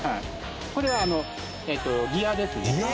これはギアですね。